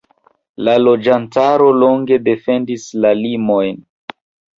La loĝantaro longe defendis la limojn.